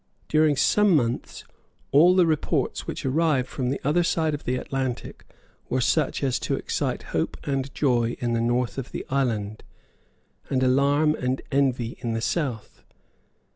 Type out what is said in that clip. During some months all the reports which arrived from the other side of the Atlantic were such as to excite hope and joy in the north of the island, and alarm and envy in the south.